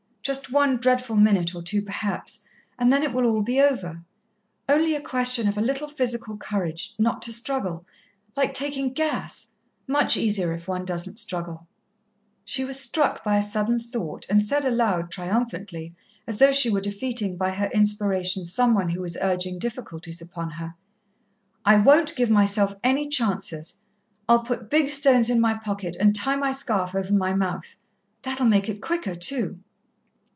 Just one dreadful minute or two, perhaps, and then it will all be over ... only a question of a little physical courage ... not to struggle ... like taking gas ... much easier if one doesn't struggle...." She was struck by a sudden thought and said aloud, triumphantly, as though she were defeating by her inspiration some one who was urging difficulties upon her: "I won't give myself any chances. I'll put big stones in my pocket and tie my scarf over my mouth. That'll make it quicker, too."